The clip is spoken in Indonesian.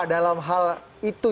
dalam hal itu ya